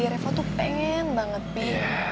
reva tuh pengen banget pih